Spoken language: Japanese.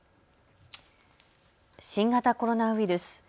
新型コロナウイルス。